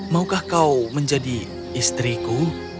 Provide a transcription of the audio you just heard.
maukah kau menjadi istriku